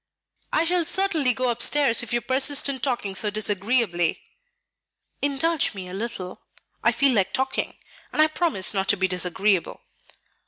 "I shall certainly go upstairs if you persist in talking so disagreeably." "Indulge me a little; I feel like talking, and I promise not to be disagreeable.